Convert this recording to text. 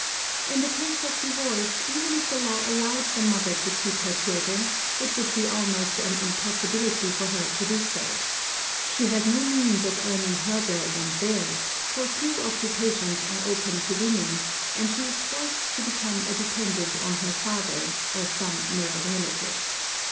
In the case of divorce, even if the law allowed the mother to keep her children, it would be almost an impossibility for her to do so. She has no means of earning her bread and theirs, for few occupations are open to women, and she is forced to become a dependent on her father, or some male relative.